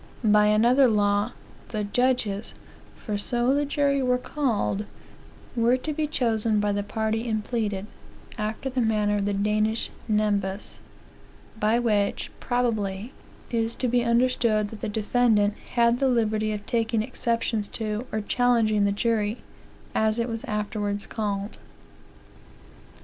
* *By another law, the judges, for so the jury were called, were to be chosen by the party impleaded, after the manner of the Danish nem bas; by which, probably, is to be understood that the defendant had the liberty of taking exceptions to, or challenging the jury, as it was afterwards called."